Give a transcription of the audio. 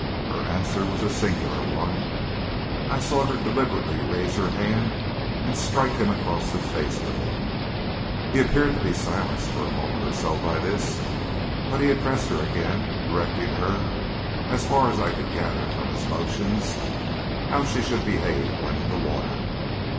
Her answer was a singular one. I saw her deliberately raise her hand and strike him across the face with it. He appeared to be silenced for a moment or so by this, but he addressed her again, directing her, as far as I could gather from his motions, how she should behave when in the water.